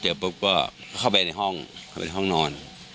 ปุ๊บก็เข้าไปในห้องเข้าไปในห้องนอน